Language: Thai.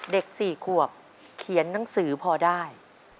เด็ก๔ขวบเขียนหนังสือพอได้